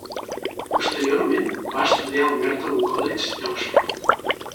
Posteriorment, va estudiar al Merton College d'Oxford.